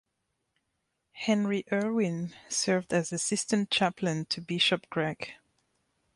Henry Irwin served as assistant chaplain to Bishop Gregg.